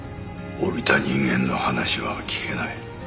降りた人間の話は聞けない。